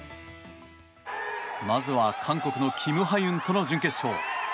まずは韓国のキム・ハユンとの準決勝。